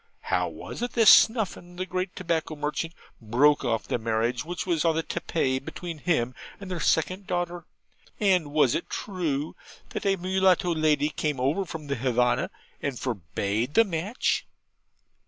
'How was it that Snuffin, the great tobacco merchant, broke off the marriage which was on the tapis between him and their second daughter; and was it true that a mulatto lady came over from the Havanna and forbade the match?'